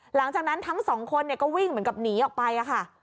หลังจากนั้นทั้งสองคนก็วิ่งเหมือนกับหนีออกไปค่ะ